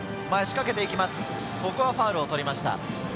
ここはファウルを取りました。